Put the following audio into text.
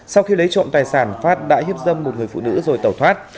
sau khi lấy trộm tài sản phát đã hiếp dâm một người phụ nữ rồi tẩu thoát